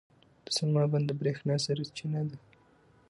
د سلما بند د برېښنا سرچینه ده.